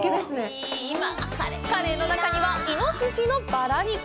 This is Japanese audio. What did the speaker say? カレーの中にはイノシシのバラ肉。